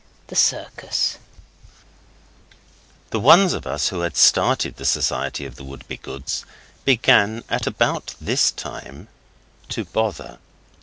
THE CIRCUS The ones of us who had started the Society of the Wouldbegoods began, at about this time, to bother.